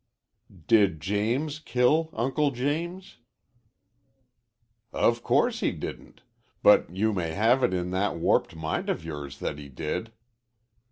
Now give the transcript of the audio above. "Did James kill Uncle James?" "Of course he didn't, but you may have it in that warped mind of yours that he did."